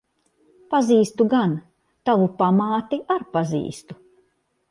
Pazīstu gan. Tavu pamāti ar pazīstu.